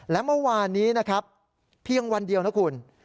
และเมื่อวานนี้นะครับเพียงวันเดียวนะคุณ